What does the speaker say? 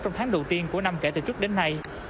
trong tháng đầu tiên của năm kể từ trước đến nay